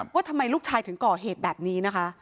ว่าทำไมลูกชายถึงก่อเหตุแบบนี้นะคะ